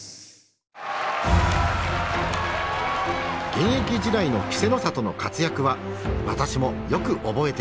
現役時代の稀勢の里の活躍は私もよく覚えています。